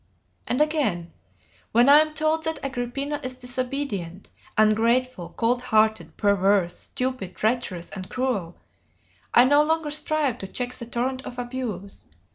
And again: "When I am told that Agrippina is disobedient, ungrateful, cold hearted, perverse, stupid, treacherous, and cruel, I no longer strive to check the torrent of abuse.